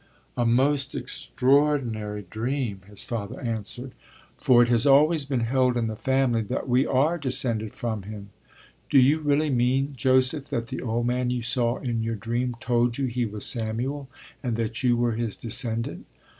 A most extraordinary dream, his father answered, for it has always been held in the family that we are descended from him. Do you really mean, Joseph, that the old man you saw in your dream told you he was Samuel and that you were his descendant?